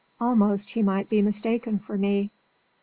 Almost he might be mistaken for me.